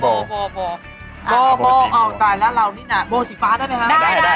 โบเอาตายแล้วเรานี่น่ะโบสีฟ้าได้ไหมฮะ